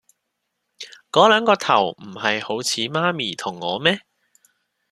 嗰兩個頭唔係好似媽咪同我咩